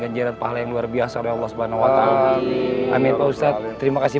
ganjaran pahala yang luar biasa oleh allah subhanahu wa ta'ala amin ustadz terima kasih